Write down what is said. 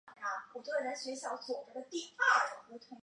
葛氏似口虾蛄为虾蛄科似口虾蛄属下的一个种。